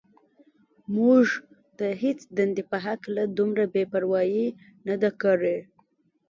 موږ د هېڅ دندې په هکله دومره بې پروايي نه ده کړې.